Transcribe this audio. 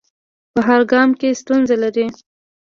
په هر ګام کې ستونزې لري.